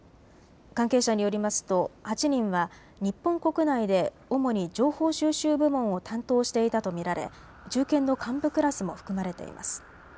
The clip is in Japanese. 関係者によりますと８人は日本国内で主に情報収集部門を担当していたと見られ中堅の幹部クラスも含まれています。